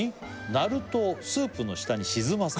「なるとをスープの下に沈ませ」